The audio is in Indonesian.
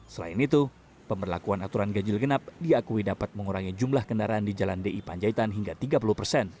selain itu pemberlakuan aturan ganjil genap diakui dapat mengurangi jumlah kendaraan di jalan di panjaitan hingga tiga puluh persen